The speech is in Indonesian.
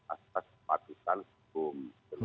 asas kepatusan hukum